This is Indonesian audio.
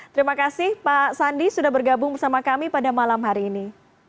terima kasih pak sandi sudah bergabung bersama kami pada malam hari ini